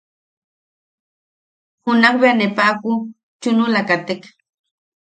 Junak bea ne paʼaku chunula katek.